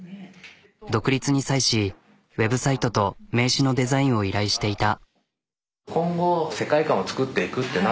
独立に際しウェブサイトと名刺のデザインを依頼していた。